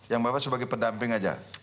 yang bapak sebagai pendamping aja